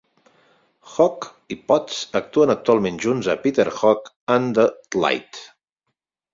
Hook i Potts actuen actualment junts a Peter Hook and The Light.